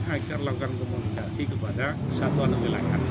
agar melakukan komunikasi kepada kesatuan pemilangan